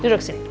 nah duduk sini